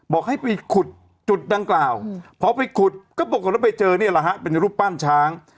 บอกให้ไปขุดจุดดังกล่าวพอไปขุดก็ปรากฏว่าไปเจอนี่แหละฮะเป็นรูปปั้นช้าง